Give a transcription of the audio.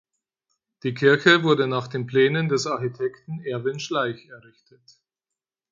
Die Kirche wurde nach den Plänen des Architekten Erwin Schleich errichtet.